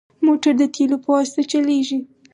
موټر د تیلو په واسطه چلېږي.